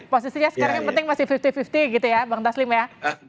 posisinya sekarang yang penting masih lima puluh lima puluh gitu ya bang taslim ya